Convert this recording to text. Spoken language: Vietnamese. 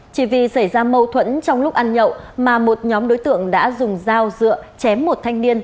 chỉ vì xảy ra mâu thuẫn trong lúc ăn nhậu mà một nhóm đối tượng đã dùng dao dựa chém một thanh niên